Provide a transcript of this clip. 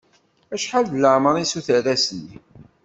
Acḥal deg leɛmer-is uterras-nni?